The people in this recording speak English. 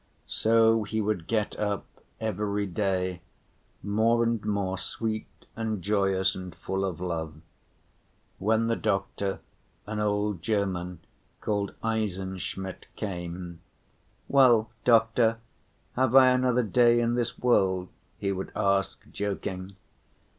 So he would get up every day, more and more sweet and joyous and full of love. When the doctor, an old German called Eisenschmidt, came: "Well, doctor, have I another day in this world?" he would ask, joking.